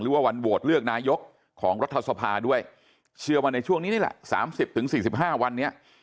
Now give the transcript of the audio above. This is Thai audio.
วันโหวตเลือกนายกของรัฐสภาด้วยเชื่อว่าในช่วงนี้นี่แหละ๓๐๔๕วันนี้